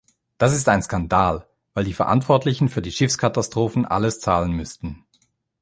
Das ist ein Skandal, weil die Verantwortlichen für die Schiffskatastrophen alles zahlen müssten.